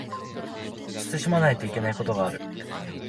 慎まないといけないことがある